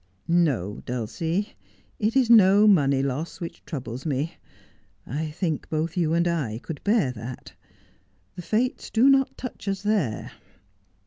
' No, Dulcie, it is no money loss which troubles me. I think both you and I could bear that. The Fates do not touch us there.'